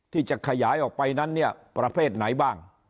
ที่จะขยายออกไปนั้นเนี่ยประเภทไหนบ้าง